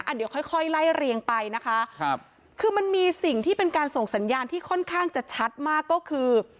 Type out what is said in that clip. เดี๋ยวค่อยค่อยไล่เรียงไปนะคะครับคือมันมีสิ่งที่เป็นการส่งสัญญาณที่ค่อนข้างจะชัดมากก็คือ